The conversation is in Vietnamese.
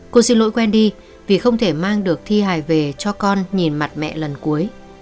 cô xin lỗi quen đi vì không thể mang được thi hài về cho con nhìn mặt mẹ lần cuối